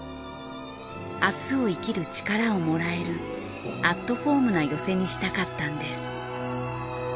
明日を生きる力をもらえるアットホームな寄席にしたかったんです。